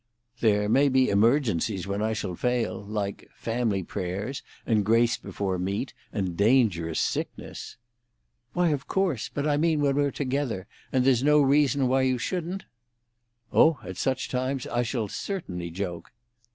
"There may be emergencies when I shall fail—like family prayers, and grace before meat, and dangerous sickness." "Why, of course. But I mean when we're together, and there's no reason why you shouldn't?" "Oh, at such times I shall certainly joke."